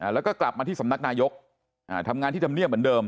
แล้วก็กลับมาที่สำนักนายกทำงานที่ทำเนียบเหมือนเดิม